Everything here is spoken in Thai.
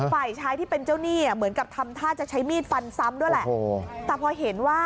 ฝ่ายชายที่เป็นเจ้าหนี้เหมือนกับทำท่าจะใช้มีดฟันซ้ำด้วยแหละ